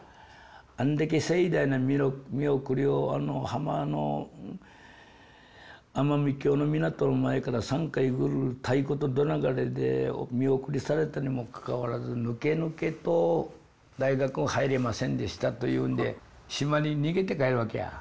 あんだけ盛大な見送りを浜のアマミキョの港の前から３回グルグル太鼓と銅鑼で見送りされたにもかかわらずぬけぬけと大学入れませんでしたというんで島に逃げて帰るわけや。